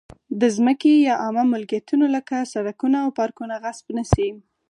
د ځمکې یا عامه ملکیتونو لکه سړکونه او پارکونه غصب نه شي.